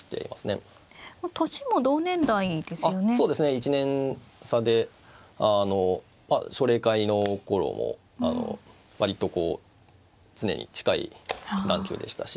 １年差で奨励会の頃も割とこう常に近い段級でしたし。